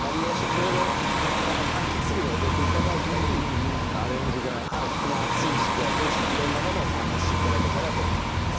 いろいろほかのかんきつ類入れて頂いたりアレンジがはいこの暑い時季は是非色んなものを試して頂けたらと思います